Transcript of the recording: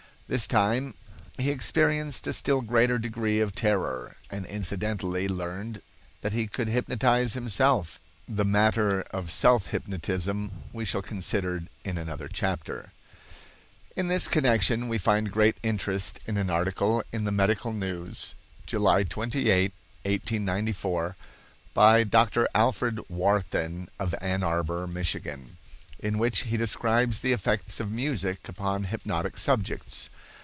This time he experienced a still greater degree of terror, and incidentally learned that he could hypnotize himself. The matter of self hypnotism we shall consider in another chapter. In this connection we find great interest in an article in the Medical News, July 28, 1894, by Dr. Alfred Warthin, of Ann Arbor, Mich., in which he describes the effects of music upon hypnotic subjects.